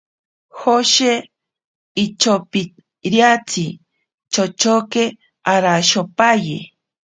Joshe ichopiriatsi chochoke arashopaye.